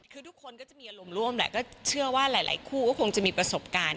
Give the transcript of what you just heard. คือทุกคนก็จะมีอารมณ์ร่วมแหละก็เชื่อว่าหลายคู่ก็คงจะมีประสบการณ์